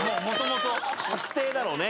確定だろうね。